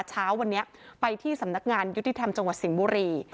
เช้าวันนี้ไปที่สำนักงานยุติธรรมจังหวัดสิงห์บุรี